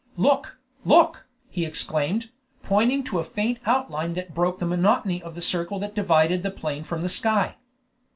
"Look! look!" he exclaimed, pointing to a faint outline that broke the monotony of the circle that divided the plain from the sky.